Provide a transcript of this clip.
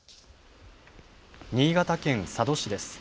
新潟県佐渡市です。